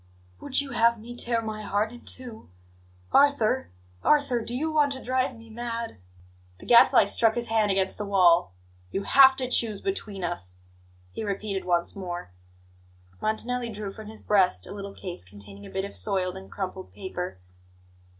"Would you have me tear my heart in two? Arthur! Arthur! Do you want to drive me mad?" The Gadfly struck his hand against the wall. "You have to choose between us," he repeated once more. Montanelli drew from his breast a little case containing a bit of soiled and crumpled paper.